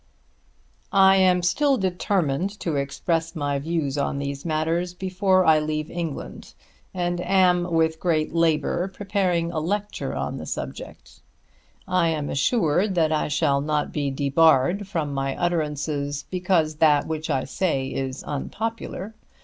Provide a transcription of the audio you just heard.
I am still determined to express my views on these matters before I leave England, and am with great labour preparing a lecture on the subject. I am assured that I shall not be debarred from my utterances because that which I say is unpopular.